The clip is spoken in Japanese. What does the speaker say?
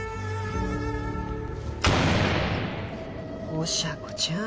おしゃ子ちゃん